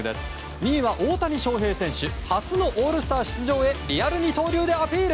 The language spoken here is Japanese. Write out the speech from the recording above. ２位は大谷翔平選手初のオールスター出場へリアル二刀流アピール。